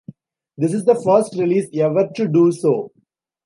This is the first release ever to do so.